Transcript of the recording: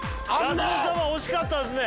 ラスボス様惜しかったですね